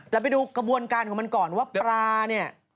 ไปดูกระบวนการของมันก่อนว่าปลาเนี่ย